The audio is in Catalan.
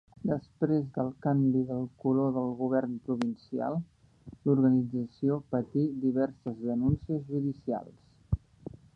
Després del canvi del color del govern provincial, l'organització patí diverses denúncies judicials.